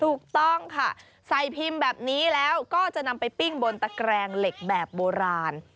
ถูกต้องค่ะใส่พิมพ์แบบนี้แล้วก็จะนำไปปิ้งบนตะแกรงเหล็กแบบโบราณ